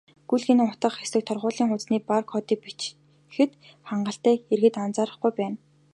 "Гүйлгээний утга" хэсэгт торгуулийн хуудасны бар кодыг л бичихэд хангалттайг иргэд анзаарахгүй байна.